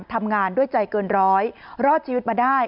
ทำงานด้วยใจเกินร้อยรอดชีวิตมาได้